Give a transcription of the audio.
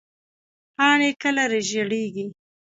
پاڼې کله ژیړیږي؟